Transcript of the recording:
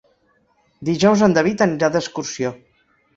Dijous en David anirà d'excursió.